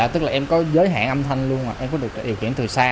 tức là em có giới hạn âm thanh luôn em có được điều kiện từ xa